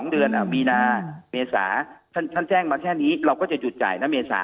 เดือนมีนาเมษาท่านแจ้งมาแค่นี้เราก็จะหยุดจ่ายนะเมษา